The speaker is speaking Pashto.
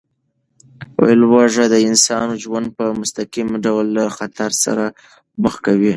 لوږه د انسان ژوند په مستقیم ډول له خطر سره مخ کوي.